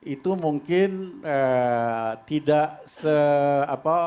itu mungkin tidak se apa